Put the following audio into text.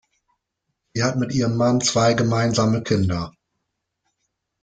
Sie hat mit ihrem Mann zwei gemeinsame Kinder.